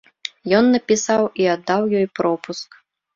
Ён напісаў і аддаў ёй пропуск.